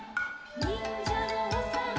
「にんじゃのおさんぽ」